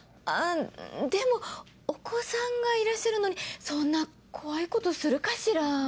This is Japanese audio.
あぁでもお子さんがいらっしゃるのにそんな怖いことするかしら？